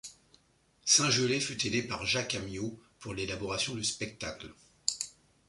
Saint-Gelais fut aidé par Jacques Amyot pour l'élaboration du spectacle.